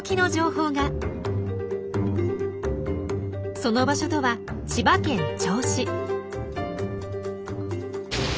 その場所とは千葉県銚子。